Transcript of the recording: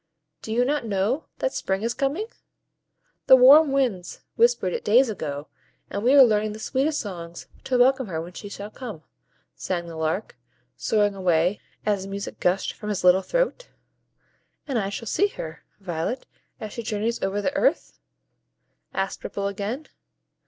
"Do you not know that Spring is coming? The warm winds whispered it days ago, and we are learning the sweetest songs, to welcome her when she shall come," sang the lark, soaring away as the music gushed from his little throat. "And shall I see her, Violet, as she journeys over the earth?" asked Ripple again.